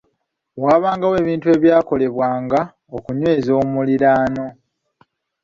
Waabangawo ebintu ebyakolebwanga okunyweza omuliraano.